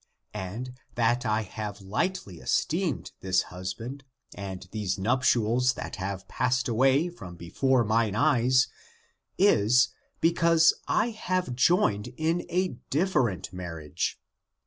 And that I have lightly esteemed this husband, and these nuptials that have passed away, from before mine eyes, is, because I have been joined in a different marriage.